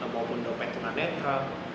maupun dompet tuna netra